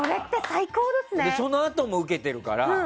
そのあともウケてるから。